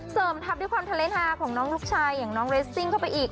ทับด้วยความทะเลฮาของน้องลูกชายอย่างน้องเรสซิ่งเข้าไปอีก